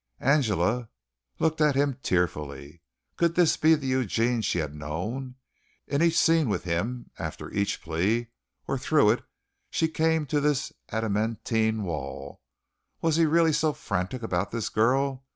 Angela looked at him tearfully. Could this be the Eugene she had known? In each scene with him, after each plea, or through it, she came to this adamantine wall. Was he really so frantic about this girl?